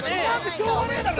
しょうがねえだろ